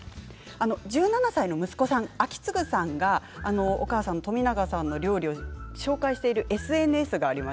今回１７歳の息子さん章胤さんがお母さんの冨永さんの料理を紹介しているＳＮＳがあります。